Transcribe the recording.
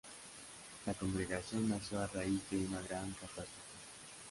La congregación nació a raíz de una gran catástrofe.